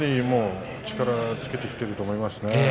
力をつけていると思いますね。